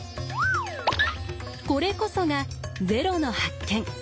これこそが０の発見。